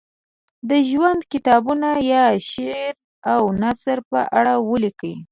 د ژوند کتابونه یا شعر او نثر په اړه ولیکي.